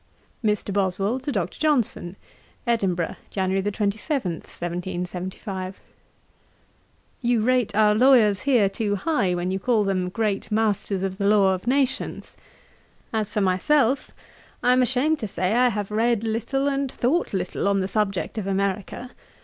'MR, BOSWELL TO DR. JOHNSON. 'Edinburgh, Jan. 27, 1775. 'You rate our lawyers here too high, when you call them great masters of the law of nations. 'As for myself, I am ashamed to say I have read little and thought little on the subject of America.